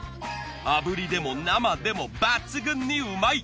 あぶりでも生でも抜群にうまい。